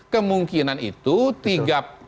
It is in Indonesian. kemungkinan itu tiga partai